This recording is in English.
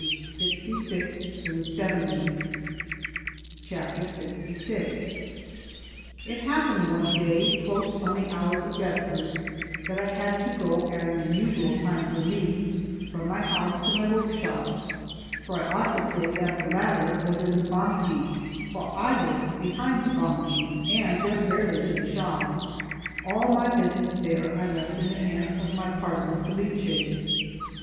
He died at Faenza in 1555. LXVI IT happened one day, close on the hours of vespers, that I had to go at an unusual time for me from my house to my workshop; for I ought to say that the latter was in the Banchi, while I lived behind the Banchi, and went rarely to the shop; all my business there I left in the hands of my partner, Felice.